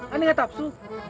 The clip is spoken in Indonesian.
aneh gak tafsu